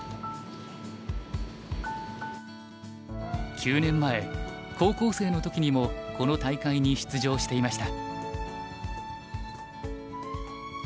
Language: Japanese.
９年前高校生の時にもこの大会に出場していました。